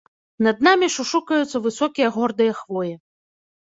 Над намі шушукаюцца высокія гордыя хвоі.